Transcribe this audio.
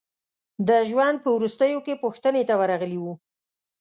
د ژوند په وروستیو کې پوښتنې ته ورغلي وو.